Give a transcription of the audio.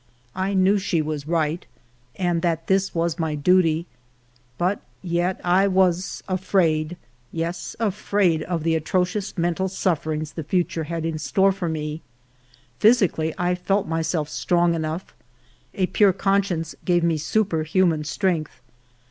I knew she was right, and that this was my duty ; but yet I was afraid, — yes, afraid of the atrocious mental sufferings the future had in store for me. Physically I felt myself strong enough ; a pure conscience gave me superhuman strength.